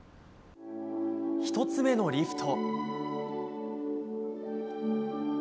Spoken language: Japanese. １つ目のリフト。